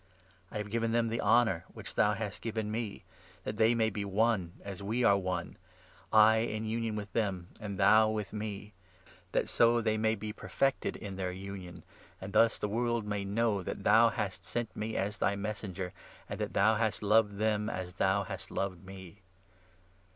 I have 22 given them the honour which thou hast given me, that they may be one as we are one — I in 23 union with them and thou with me — that so they may be perfected in their union, and thus the world may know that thou hast sent me as thy Messenger, and that thou hast loved them as thou hast loved me.